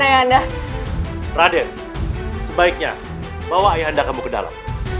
nenek raden sebaiknya bawa ayah anda kamu ke dalam